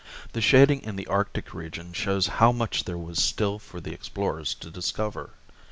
The shading in the Arctic region shows how much there was still for the explorers to discover.